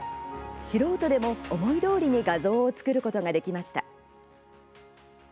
素人でも思いどおりに画像を作ることができました。